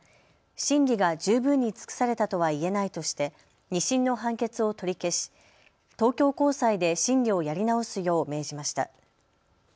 審理が十分に尽くされたとは言えないとして２審の判決を取り消し、東京高裁で審理をやり直すよう命じました。